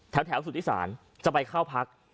สุธิศาลจะไปเข้าพัก